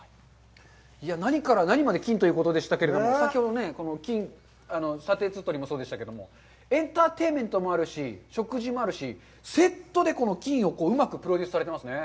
何から何まで金ということでしたけれども、先ほど金、エンターテインメントもあるし、食事もあるし、セットで金をうまくプロデュースされてますね。